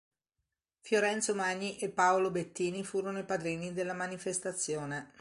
Fiorenzo Magni e Paolo Bettini furono i padrini della manifestazione.